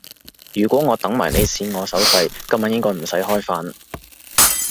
如果我等埋你試我手勢，今晚應該唔使開飯